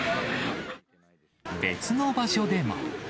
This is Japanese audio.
別の場所でも。